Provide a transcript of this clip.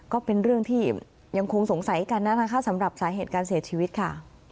ก็เป็นเรื่องที่ยังคงสงสัยกันนะคะสำหรับสาเหตุการเสียชีวิตค่ะ